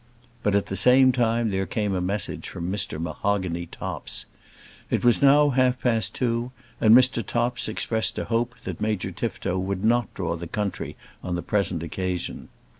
But at the same time there came a message from Mr. Mahogany Topps. It was now half past two, and Mr. Topps expressed a hope that Major Tifto would not draw the country on the present occasion.